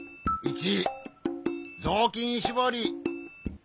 ぞうきんしぼり。